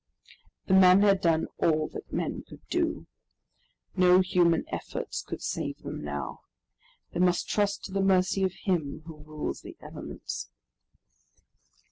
The men had done all that men could do. No human efforts could save them now. They must trust to the mercy of Him who rules the elements.